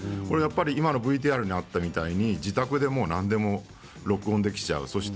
今のＶＴＲにあったみたいに自宅でも何でも録音できちゃう。